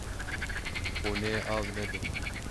Hûn ê av nedin.